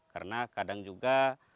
karena kadang juga